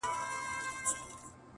چـي اخترونـه پـه واوښـتــل.